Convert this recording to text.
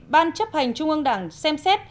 ban chấp hành trung ương đảng xem xét